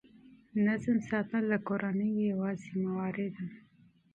نظم ساتل د کورنۍ یوه مسؤلیت ده.